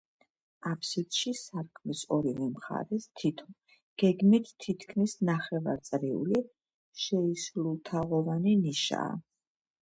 აფსიდში, სარკმლის ორივე მხარეს, თითო, გეგმით თითქმის ნახევარწრიული, შეისრულთაღოვანი ნიშაა.